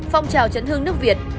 phong trào chấn hương nước việt